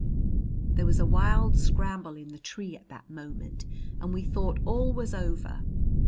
There was a wild scramble in the tree at that moment, and we thought all was over.